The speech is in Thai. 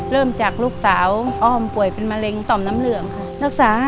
เริ่มจากลูกสาวอ้อมป่วยเป็นมะเร็งต่อมน้ำเหลืองค่ะ